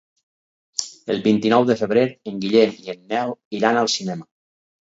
El vint-i-nou de febrer en Guillem i en Nel iran al cinema.